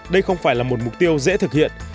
đây không phải là một mục tiêu dễ thực hiện